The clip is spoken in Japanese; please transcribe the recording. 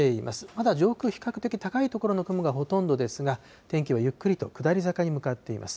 まだ上空、比較的高い所の雲がほとんどですが、天気はゆっくりと下り坂に向かっています。